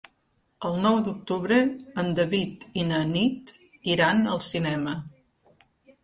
El nou d'octubre en David i na Nit iran al cinema.